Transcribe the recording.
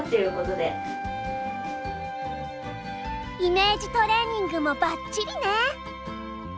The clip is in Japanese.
イメージトレーニングもばっちりね！